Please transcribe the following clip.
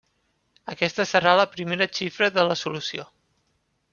Aquesta serà la primera xifra de la solució.